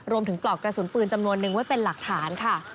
ปลอกกระสุนปืนจำนวนนึงไว้เป็นหลักฐานค่ะ